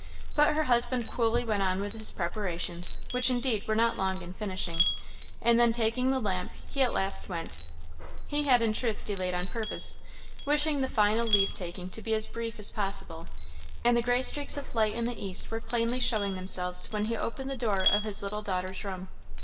But her husband coolly went on with his preparations, which indeed were not long in finishing; and then taking the lamp, he at last went. He had in truth delayed on purpose, wishing the final leave taking to be as brief as possible; and the gray streaks of light in the east were plainly showing themselves when he opened the door of his little daughter's room.